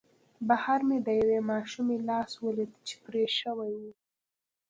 بهر مې د یوې ماشومې لاس ولید چې پرې شوی و